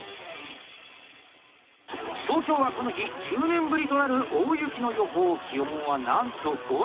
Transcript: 東京はこの日１０年ぶりとなる大雪の予報気温はなんと５℃。